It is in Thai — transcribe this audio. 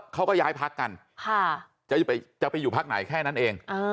เขาก็ย้ายพักกันจะไปอยู่พักไหนแค่นั้นเอง